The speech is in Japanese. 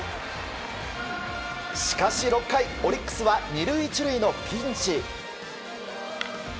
しかし６回、オリックスは２塁１塁のピンチ。